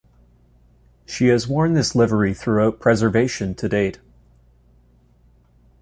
She has worn this livery throughout preservation to date.